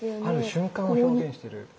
ある瞬間を表現してる。